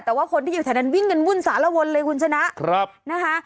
แต่ว่าคนที่อยู่แถวนั้นวิ่งกันวุ่นสารวนเลยคุณชนะนะคะ